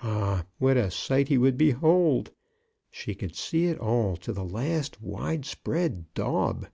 Ah, what a sight he would behold ! She could see it all, to the last wide spread daub.